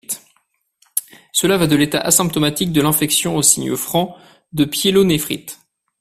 Cela va de l'état asymptomatique de l'infection aux signes francs de pyélonéphrite.